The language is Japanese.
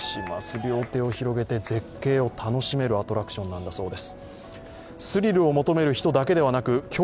両手を広げて絶景を楽しめるアトラクションなんだそうです。